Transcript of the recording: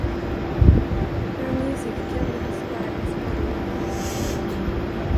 Their music can be described as modern rock.